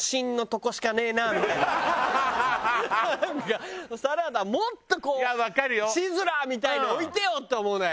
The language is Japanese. なんかサラダもっとこうシズラーみたいに置いてよって思うのよ。